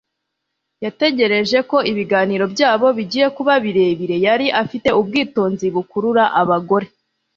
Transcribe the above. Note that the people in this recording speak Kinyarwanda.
Yategereje ko ibiganiro byabo bigiye kuba birebire Yari afite ubwitonzi bukurura abagore